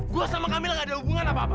gue sama kami gak ada hubungan apa apa